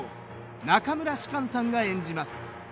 中村芝翫さんが演じます。